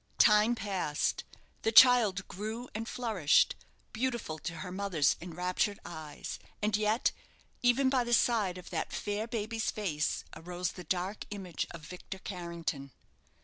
Time passed. The child grew and flourished, beautiful to her mother's enraptured eyes; and yet, even by the side of that fair baby's face arose the dark image of Victor Carrington.